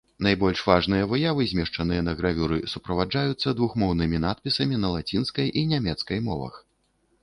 Найбольш важныя выявы, змешчаныя на гравюры, суправаджаюцца двухмоўнымі надпісамі на лацінскай і нямецкай мовах.